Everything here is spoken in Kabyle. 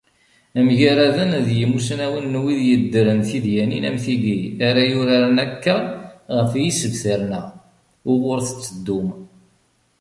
Mgaraden d yismawen n wid yeddren tidyanin am tigi ara yuraren akka ɣef yisebtaren-a uɣur tetteddum.